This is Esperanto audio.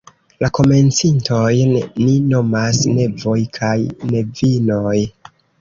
La komencintojn ni nomas "nevoj" kaj "nevinoj".